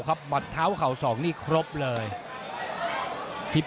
ของก็หนักจริงไร่จริงต้องเจอแบบนี้เลยครับ